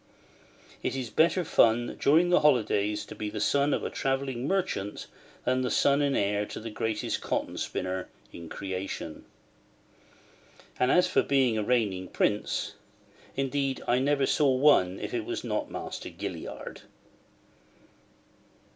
It is better fun, during the holidays, to be the son of a travelling merchant, than son and heir to the greatest cotton spinner in creation. And as for being a reigning prince—indeed I never saw one if it was not Master Gilliard!